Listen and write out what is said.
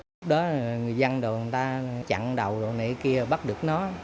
lúc đó là người dân đồ người ta chặn đầu đồ này kia bắt được nó